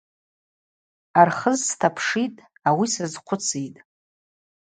Архыз стапшитӏ, ауи сазхъвыцитӏ.